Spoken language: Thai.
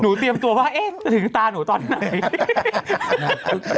หนูติดตัวว่าเอ๊ะถึงตาหนูตอนไหน